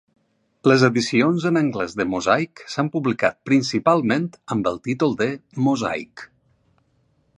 Les edicions en anglès de "Mosaik" s'han publicat principalment amb el títol de "Mosaic".